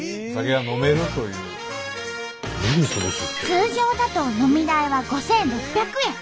通常だと飲み代は５，６００円。